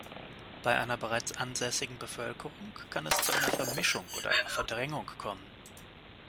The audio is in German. Bei einer bereits ansässigen Bevölkerung kann es zu einer Vermischung oder einer Verdrängung kommen.